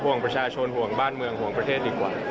ห่วงประชาชนห่วงบ้านเมืองห่วงประเทศดีกว่า